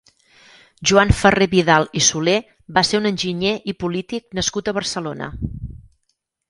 Joan Ferrer-Vidal i Soler va ser un enginyer i polític nascut a Barcelona.